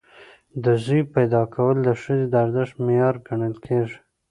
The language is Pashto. د زوی پیدا کول د ښځې د ارزښت معیار ګڼل کېږي.